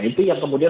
itu yang kemudian